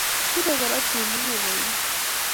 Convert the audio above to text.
Bire korotik muguleldo